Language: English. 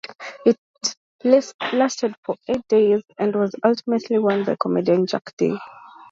It lasted for eight days, and was ultimately won by comedian Jack Dee.